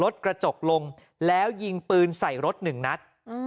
กระจกลงแล้วยิงปืนใส่รถหนึ่งนัด